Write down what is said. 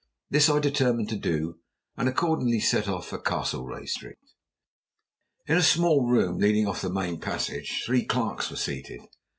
This I determined to do, and accordingly set off for Castlereagh Street. In a small room leading off the main passage, three clerks were seated.